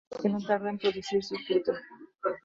Obra que no tardó en producir sus frutos.